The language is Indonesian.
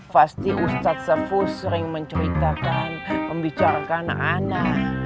pasti ustadz sefu sering menceritakan membicarakan ana